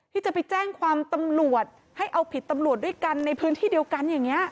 ที่จะไปแจ้งความตำรวจให้เอาผิดตำรวจด้วยกันในพื้นที่เดียวกันอย่างนี้